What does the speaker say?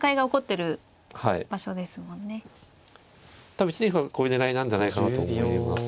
多分１二歩はこういう狙いなんじゃないかなと思います。